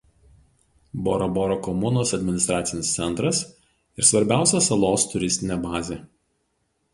Bora Bora komunos administracinis centras ir svarbiausia salos turistinė bazė.